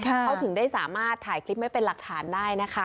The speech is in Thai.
เขาถึงได้สามารถถ่ายคลิปไว้เป็นหลักฐานได้นะคะ